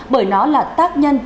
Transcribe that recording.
bởi nó là tác nhân